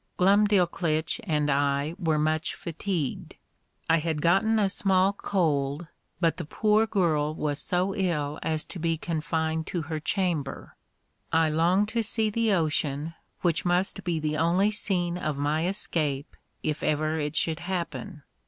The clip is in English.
Glumdalclitch and I were much fatigued: I had gotten a small cold, but the poor girl was so ill as to be confined to her chamber. I longed to see the ocean, which must be the only scene of my escape, if ever it should happen.